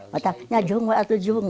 mata ya jom lah itu jom